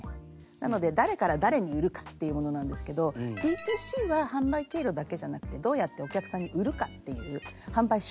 なので誰から誰に売るかっていうものなんですけどＤ２Ｃは販売経路だけじゃなくてどうやってお客さんに売るかっていう販売手段みたいなことを言っています。